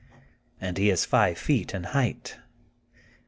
And he is five feet in height.